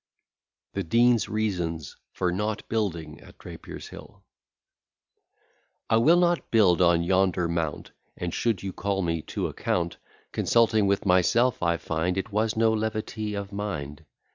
_] THE DEAN'S REASONS FOR NOT BUILDING AT DRAPIER'S HILL I will not build on yonder mount; And, should you call me to account, Consulting with myself, I find It was no levity of mind.